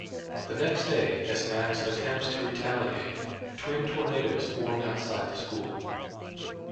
The next day, as Max attempts to retaliate, twin tornadoes form outside the school.